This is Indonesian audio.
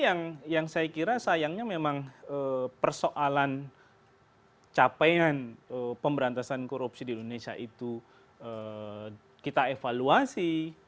yang saya kira sayangnya memang persoalan capaian pemberantasan korupsi di indonesia itu kita evaluasi